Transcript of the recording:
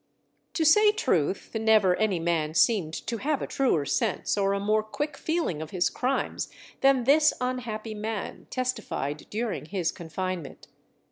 To say truth never any man seemed to have a truer sense or a more quick feeling of his crimes, than this unhappy man testified during his confinement.